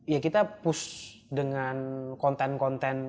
ya kita push dengan konten konten